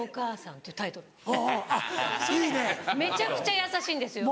めちゃくちゃ優しいんですよ。